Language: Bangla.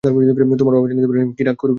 তোমার বাবা জানিতে পারিলে কি রাগ করিবেন।